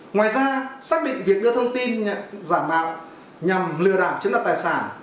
ngoài ra xác định việc đưa thông tin giảm áo nhằm lừa đảo chứng đặt tài sản